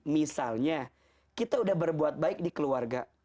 misalnya kita udah berbuat baik di keluarga